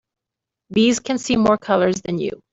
Bees can see more colors than you.